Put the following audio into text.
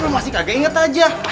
masih kagak inget aja